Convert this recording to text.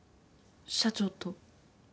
社長と？